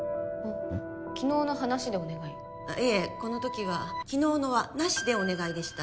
このときは「昨日のはなしでお願い」でした